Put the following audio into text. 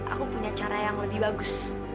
aku punya cara yang lebih bagus